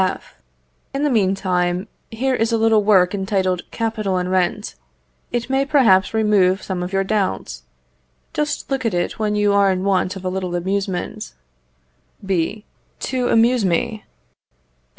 F. In the meantime, here is a little work entitled Capital and Rent. It may perhaps remove some of your doubts. Just look at it, when you are in want of a little amusement. B. To amuse me?